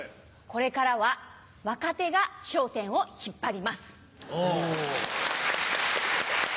これからは若手が『笑点』を引っ張ります。